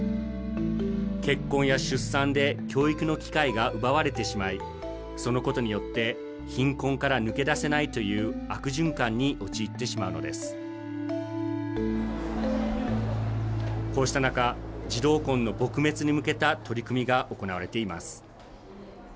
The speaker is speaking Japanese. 結婚や出産で教育の機会が奪われてしまいそのことによって貧困から抜け出せないという悪循環に陥ってしまうのですこうした中児童婚の撲滅に向けた取り組みが行われています